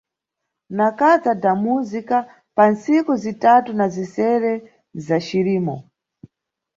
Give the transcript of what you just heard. Na Casa da Música pa ntsiku zitatu na zisere za Cirimo.